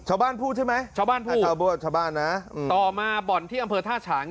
ชาวบ้านพูดใช่ไหมชาวบ้านนะต่อมาบ่อนที่อำเภอท่าฉาง